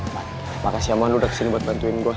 man makasih ya man lo udah kesini buat bantuin gue